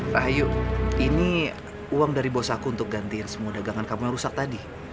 rahayu ini uang dari bos aku untuk gantiin semua dagangan kamu yang rusak tadi